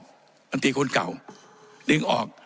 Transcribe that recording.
หลังจากวันที่คุณกล่าวดึงออก